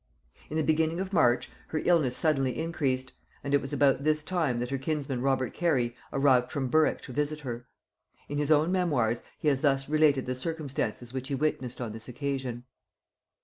In the beginning of March her illness suddenly increased; and it was about this time that her kinsman Robert Cary arrived from Berwick to visit her. In his own memoirs he has thus related the circumstances which he witnessed on this occasion.